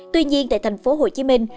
tuy nhiên tại thành phố hồ chí minh